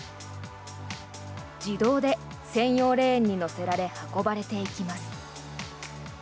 自動で専用レーンに載せられ運ばれていきます。